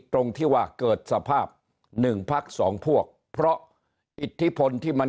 ตรงที่ว่าเกิดสภาพหนึ่งพักสองพวกเพราะอิทธิพลที่มัน